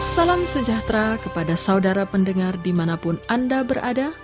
salam sejahtera kepada saudara pendengar dimanapun anda berada